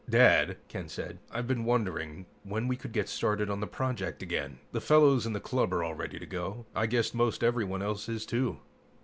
"Dad," Ken said, "I've been wondering when we could get started on the project again. The fellows in the club are all ready to go. I guess most everyone else is, too."